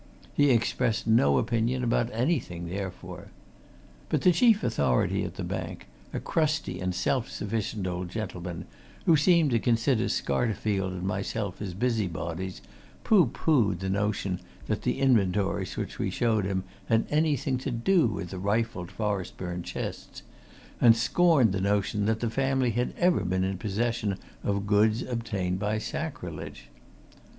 He expressed no opinion about anything, therefore. But the chief authority at the bank, a crusty and self sufficient old gentleman, who seemed to consider Scarterfield and myself as busybodies, poohpoohed the notion that the inventories which we showed him had anything to do with the rifled Forestburne chests, and scorned the notion that the family had ever been in possession of goods obtained by sacrilege.